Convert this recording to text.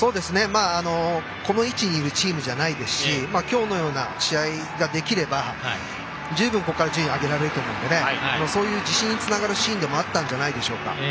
この位置にいるチームじゃないですし今日のような試合ができれば十分、ここから順位を上げられると思いますからそういう自信につながるシーンでもあったんじゃないでしょうか。